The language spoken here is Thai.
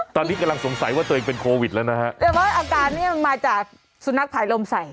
ตอนนี้กำลังสงสัยว่าตัวเองเป็นโควิดแล้วนะฮะแต่ว่าอาการเนี้ยมันมาจากสุนัขผ่ายลมใส่